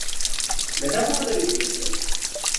Neden bu kadar üzgünsün?